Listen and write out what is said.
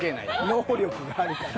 能力があるから。